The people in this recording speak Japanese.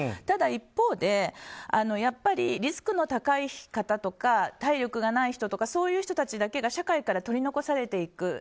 ただ一方でリスクの高い方とか体力がない人とかそういう人たちだけが社会から取り残されていく。